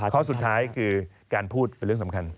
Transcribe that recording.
ข้อสุดท้ายคือการพูดเป็นเรื่องสำคัญ